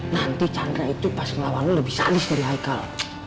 nanti chandra itu pas ngelawan lo lebih salis dari haikal